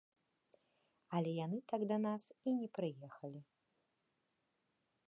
Але яны так да нас і не прыехалі.